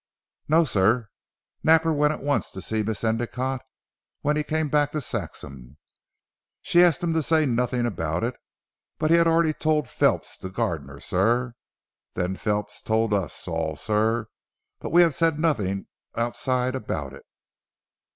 "No sir. Napper went at once to see Miss Endicotte when he came back to Saxham. She asked him to say nothing about it, but he had already told Phelps the gardener sir. Then Phelps told us all sir, but we have said nothing outside about it."